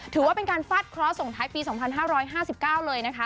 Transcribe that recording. ถือว่าเป็นการฟัดคลอสส่งท้ายปีสองพันห้าร้อยห้าสิบเก้าเลยนะคะ